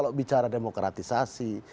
kalau bicara demokratisasi